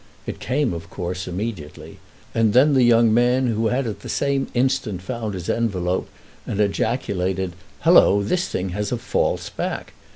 It came of course immediately, and then the young man, who had at the same instant found his envelope and ejaculated "Hallo, this thing has a false back!"